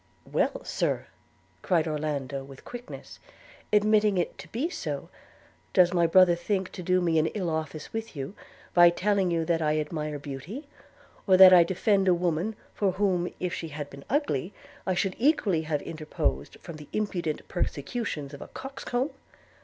'Well, Sir,' cried Orlando with quickness, 'admitting it to be so: does my brother think to do me an ill office with you, by telling you that I admire beauty; or that I defend a woman, for whom, if she had been ugly, I should equally have interposed, form the impudent persecutions of a coxcomb?'